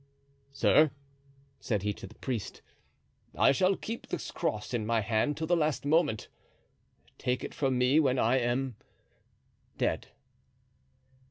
"Sir," said he to the priest, "I shall keep this cross in my hand till the last moment. Take it from me when I am—dead."